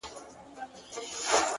زما زنده گي وخوړه زې وخوړم!!